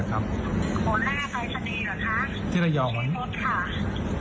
หัวหน้าปรัศนีเหรอคะชื่อนุฏค่ะ